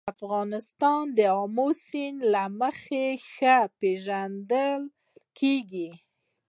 افغانستان د آمو سیند له مخې ښه پېژندل کېږي.